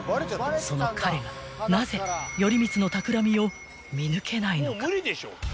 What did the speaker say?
［その彼がなぜ頼光のたくらみを見抜けないのか？］